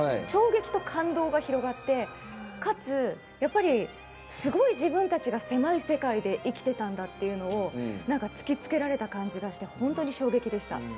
衝撃と感動が広がって、かつすごい自分たちが狭い世界で生きてたんだっていうのを突きつけられた感じがして本当に衝撃でした。